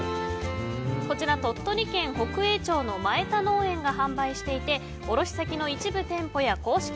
こちら、鳥取県北栄町の前田農園が販売していて卸先の一部店舗や公式